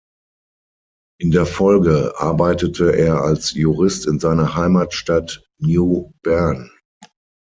In der Folge arbeitete er als Jurist in seiner Heimatstadt New Bern.